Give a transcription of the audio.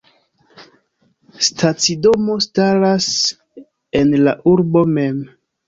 Stacidomo staras en la urbo mem.